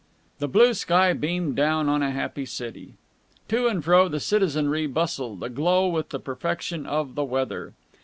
The blue sky beamed down on a happy city. To and fro the citizenry bustled, aglow with the perfection of the weather.